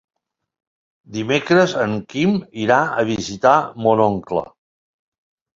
Dimecres en Quim irà a visitar mon oncle.